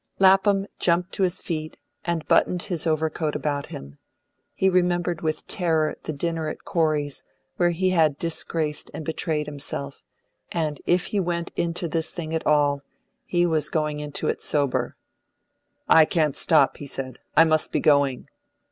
Lapham jumped to his feet, and buttoned his overcoat about him. He remembered with terror the dinner at Corey's where he had disgraced and betrayed himself, and if he went into this thing at all, he was going into it sober. "I can't stop," he said, "I must be going."